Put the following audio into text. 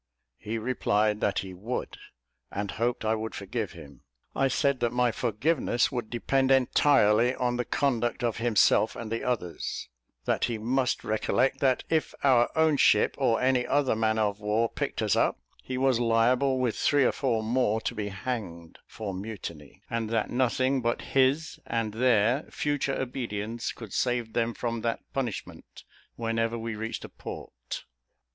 He replied that he would, and hoped I would forgive him. I said that my forgiveness would depend entirely on the conduct of himself and the others; that he must recollect that if our own ship, or any other man of war, picked us up, he was liable, with three or four more, to be hanged for mutiny; and that nothing but his and their future obedience could save them from that punishment, whenever we reached a port.